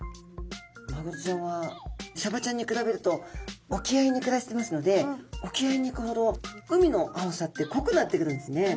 マグロちゃんはサバちゃんに比べると沖合に暮らしてますので沖合に行くほど海の青さってこくなってくるんですね。